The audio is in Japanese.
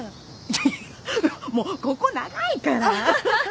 もうここ長いから。